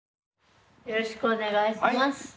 よろしくお願いします。